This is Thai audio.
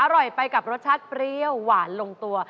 อร่อยไปกับรสชาติเปรี้ยวหวานลงตัว